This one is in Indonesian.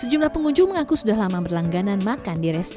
sejumlah pengunjung mengaku sudah lama berlangganan makan di restoran